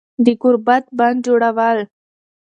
د گوربت بندجوړول